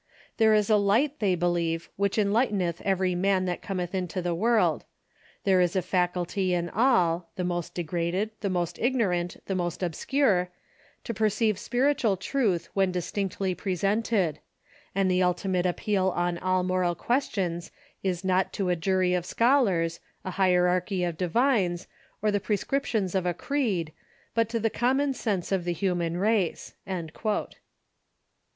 There is a light, they believe, which enlighteneth everj'^ man that cometh into the Avorld ; there is a faculty in all — the most degraded, the most ignorant, the most obscure — to perceive spiritual truth when distinctly presented ; and the ultimate appeal on all moral questions is not to a jury of scholars, a hierarchy of divines, or the prescriptions of a creed, but to the common sense of the human race."